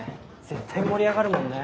絶対盛り上がるもんね。